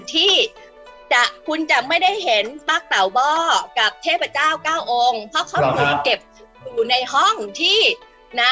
ที่จะคุณจะไม่ได้เห็นป้าเต่าบ้อกับเทพเจ้าเก้าองค์เพราะเขาหลุมเก็บอยู่ในห้องที่นะ